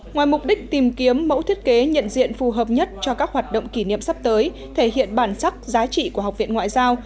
ngoài mục đích tìm kiếm mẫu thiết kế nhận diện phù hợp nhất cho các hoạt động kỷ niệm sắp tới thể hiện bản sắc giá trị của học viện ngoại giao